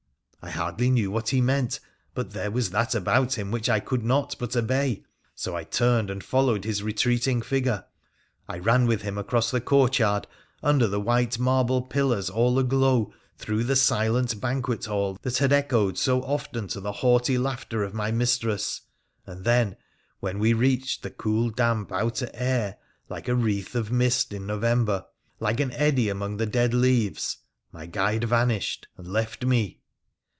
' I hardly knew what he meant, but there was that about him which I could not but obey, so I turned and followed his retreating figure. I ran with him across the courtyard, under the white marble pillars all aglow, through the silent banquet hall that had echoed so often to the haughty laughter of my mistress, and then when we reached the cool, damp outer air— like a wreath of mist in November, like an eddy among the dead leaves — my guide vanished and left me